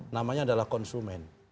namanya adalah konsumen